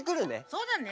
そうだね。